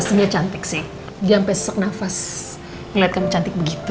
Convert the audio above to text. pastinya cantik sih dia sampai sesak nafas ngeliat kamu cantik begitu